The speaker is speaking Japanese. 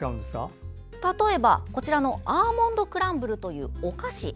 例えばこちらのアーモンドクランブルというお菓子。